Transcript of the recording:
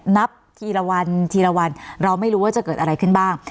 นับทีละวันทีละวันเราไม่รู้ว่าจะเกิดอะไรขึ้นบ้าง